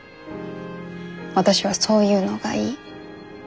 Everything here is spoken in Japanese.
私はそういうのがいい。